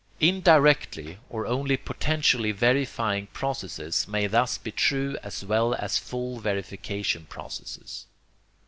INDIRECTLY OR ONLY POTENTIALLY VERIFYING PROCESSES MAY THUS BE TRUE AS WELL AS FULL VERIFICATION PROCESSES.